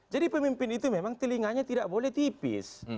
jadi pemimpin itu memang telinganya tidak boleh tipis